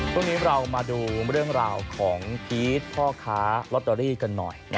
ช่วงนี้เรามาดูเรื่องราวของพีชพ่อค้าลอตเตอรี่กันหน่อย